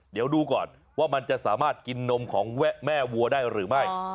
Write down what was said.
เดี๋ยวดูก่อนว่ามันจะสามารถกินนมของแวะแม่วัวได้หรือไม่